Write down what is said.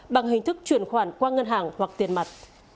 bằng hình thức chuyển khoản qua ngân hàng hoặc tiền mặt